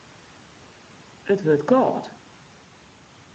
It wurdt kâld.